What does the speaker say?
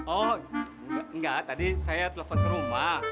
oh enggak tadi saya telepon ke rumah